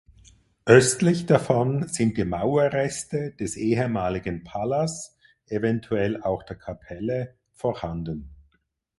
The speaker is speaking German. Östlich davon sind die Mauerreste des ehemaligen Palas (eventuell auch der Kapelle) vorhanden.